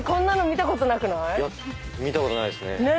見たことないですね。